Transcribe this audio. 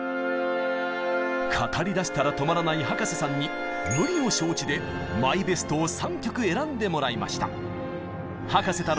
語りだしたら止まらない葉加瀬さんに無理を承知でマイベストを３曲選んでもらいました。